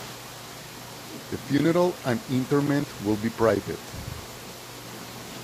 The funeral and interment will be private.